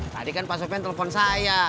tadi kan mas sopyan telfon saya